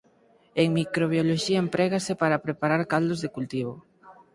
En microbioloxía emprégase para preparar caldos de cultivo.